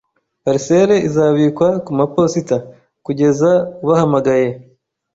Parcelle izabikwa kumaposita kugeza ubahamagaye.